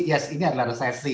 yes ini adalah resesi